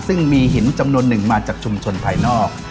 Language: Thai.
ซึ่งมีหินจำนวนหนึ่งมาจากชุมชนภายนอก